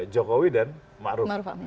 jokowi dan maruf